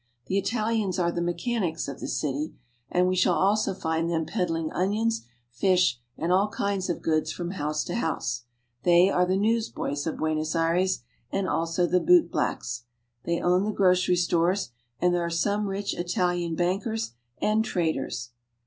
The Italians are the mechanics of the city, and we shall also find them peddling onions, fish, and all kinds of goods from house to house. They are the news boys of Buenos Aires, and also the bootblacks. They own the grocery stores, and there are some rich Italian bankers and traders.